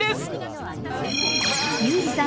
優里さん